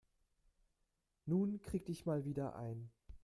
Nun krieg dich mal wieder ein.